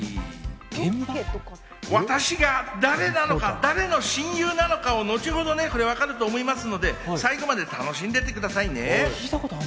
私が誰なのか、誰の親友なのかを後ほど分かると思いますので、最後まで楽しんでいってくださいね。